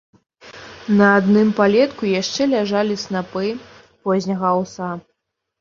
На адным палетку яшчэ ляжалі снапы позняга аўса.